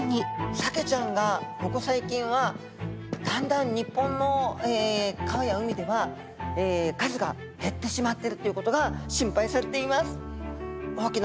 サケちゃんがここ最近はだんだん日本の川や海では数が減ってしまってるっていうことが心配されています。